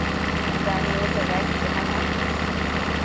Kin gano yadda zaki yi haka?